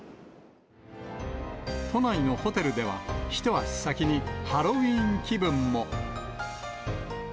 都内のホテルでは、一足先にハロウィーン気分も。